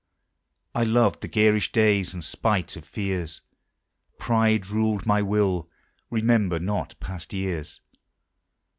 I loved the garish days, and, spite of fears, Pride ruled my will: remember not past years.